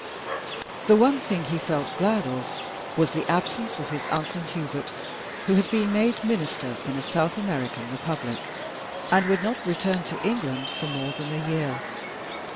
The one thing he felt glad of was the absence of his Uncle Hubert, who had been made Minister in a South American Republic, and would not return to England for more than a year.